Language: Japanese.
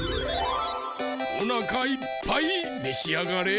おなかいっぱいめしあがれ！